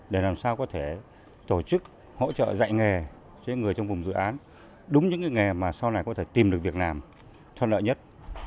để làm sao có thể tổ chức hỗ trợ dạy nghề cho người trong vùng dự án đúng những nghề mà sau này có thể tìm được việc làm thuận lợi nhất